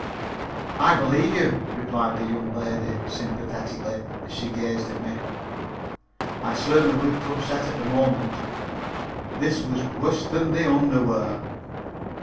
C.A."] "I believe you," replied the young lady, sympathetically, as she gazed at me. I certainly looked upset at the moment. This was worse than the underwear.